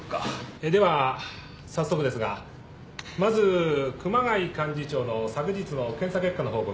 えーでは早速ですがまず熊谷幹事長の昨日の検査結果の報告。